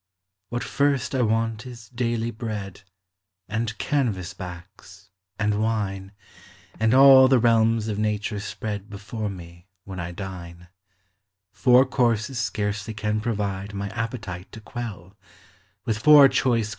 What first I want is daily bread — And canvas backs and wine — And all the realms of nature spread Before me, when I dine Four courses scarcely can provide My appetite t«> quell : With four choice c.